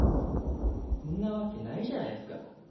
んなわけないじゃないっすか。